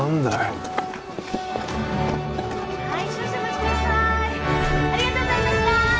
くださーいありがとうございました！